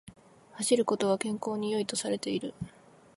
走ることは健康に良いとされている